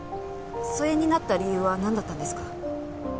疎遠になった理由はなんだったんですか？